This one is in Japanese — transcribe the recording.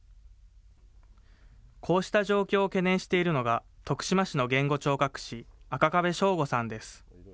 こうした状況を懸念しているのが、徳島市の言語聴覚士、赤壁省吾さんです。